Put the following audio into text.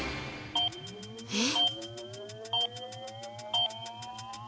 えっ？